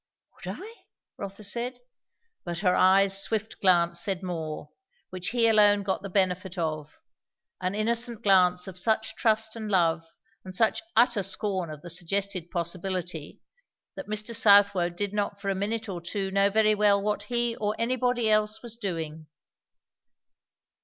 "Would I?" Rotha said. But her eyes' swift glance said more, which he alone got the benefit of; an innocent glance of such trust and love and such utter scorn of the suggested possibility, that Mr. Southwode did not for a minute or two know very well what he or anybody else was doing.